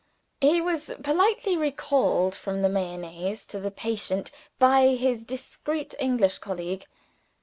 He was politely recalled from the Mayonnaise to the patient by his discreet English colleague.